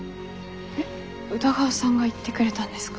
えっ宇田川さんが言ってくれたんですか？